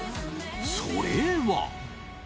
それは。